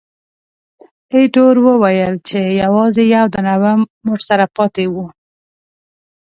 ایټور وویل چې، یوازې یو دانه بم ورسره پاتې وو.